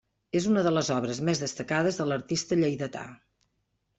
És una de les obres més destacades de l'artista lleidatà.